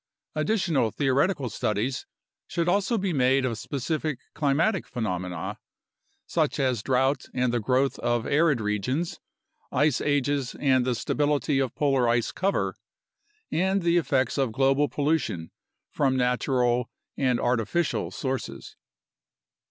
Additional theoretical studies should also be made of specific climatic phenomena, such as drought and the growth of arid regions, ice ages and the stability of polar ice cover, and the effects of global pollution from natural and artificial sources.